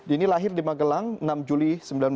ini lahir di magelang enam juli seribu sembilan ratus enam puluh